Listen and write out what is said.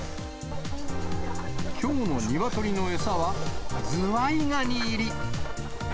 きょうのニワトリの餌はズワイガニ入り。